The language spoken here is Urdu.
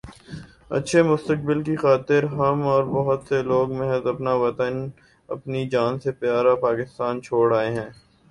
اچھے مستقبل کی خاطر ہم اور بہت سے لوگ محض اپنا وطن اپنی جان سے پیا را پاکستان چھوڑ آئے ہیں